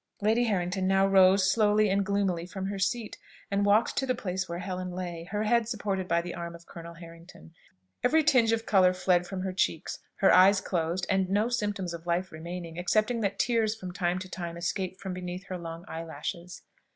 Lady Harrington now rose slowly and gloomily from her seat, and walked to the place where Helen lay, her head supported by the arm of Colonel Harrington; every tinge of colour fled from her cheeks, her eyes closed, and no symptom of life remaining, excepting that tears from time to time escaped from beneath her long eyelashes.